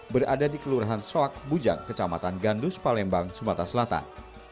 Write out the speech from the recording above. berada di kelurahan soak bujang kecamatan gandus palembang sumatera selatan